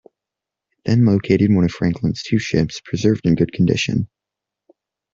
It then located one of Franklin's two ships, preserved in good condition.